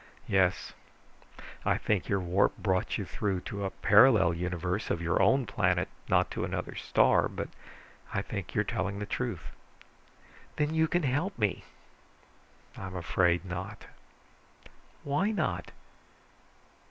Yes. I think your warp brought you through to a parallel universe of your own planet, not to another star, but I think you're telling the truth." "Then you can help me." "I'm afraid not." "Why not?"